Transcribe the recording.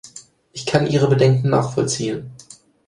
Ich kann Ihre Bedenken nachvollziehen.